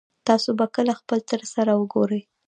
تاسو به کله خپل تره سره وګورئ